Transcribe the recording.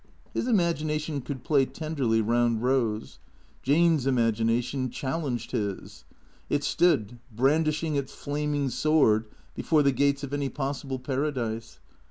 His imagination could play tenderly round Eose. Jane's imagination challenged his. It stood, brandishing its flaming sword before the gates of any possible paradise.